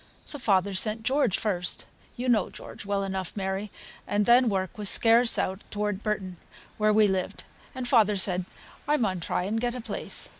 So father sent George first (you know George, well enough, Mary), and then work was scarce out toward Burton, where we lived, and father said I maun try and get a place.